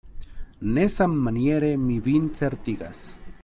Ne sammaniere, mi vin certigas.